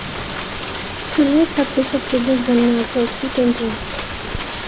স্কুলের ছাত্র-ছাত্রীদের জন্য আছে একটি ক্যান্টিন।